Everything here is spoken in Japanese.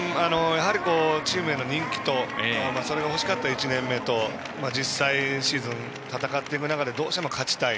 チームの人気とそれが欲しかった１年目と実際、シーズンを戦ってみながらどうしても勝ちたい。